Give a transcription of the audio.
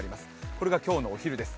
これが今日のお昼です